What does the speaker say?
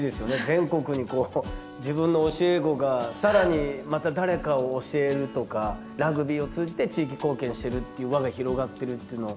全国にこう自分の教え子が更にまた誰かを教えるとかラグビーを通じて地域貢献してるっていう輪が広がってるっていうのは。